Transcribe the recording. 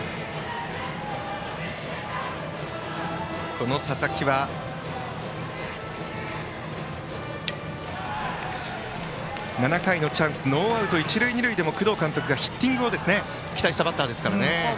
この佐々木は、７回のチャンスノーアウト一塁二塁でも工藤監督がヒッティングを期待したバッターです。